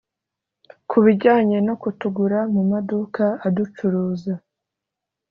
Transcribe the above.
Kubijyanye no kutugura mu maduka aducuruza